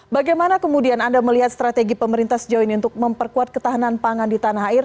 bagaimana kemudian anda melihat strategi pemerintah sejauh ini untuk memperkuat ketahanan pangan di tanah air